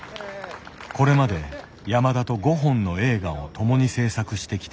これまで山田と５本の映画を共に制作してきた。